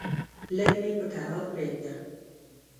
لږ مې په کرار پرېږده!